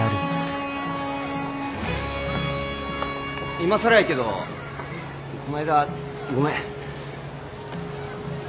今更やけどこの間ごめん！